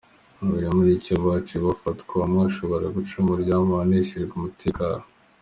Babiri muri bo baciye bafatwa, umwe ashobora guca mu ryahumye abajejwe umutekano.